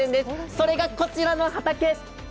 それがこちらの畑。